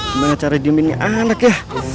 gimana cara diemin anak ya